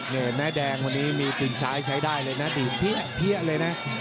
นี่นะแดงวันนี้มีตีนซ้ายใช้ได้เลยนะตีเพี้ยเลยนะ